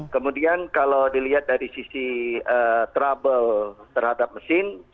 kemudian kalau dilihat dari sisi trouble terhadap mesin